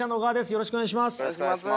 よろしくお願いします。